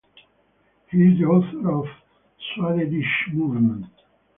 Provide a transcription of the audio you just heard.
He is the author of "Swadeshi Movement".